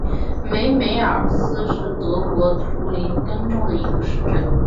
梅梅尔斯是德国图林根州的一个市镇。